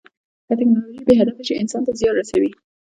که ټیکنالوژي بې هدفه شي، انسان ته زیان رسوي.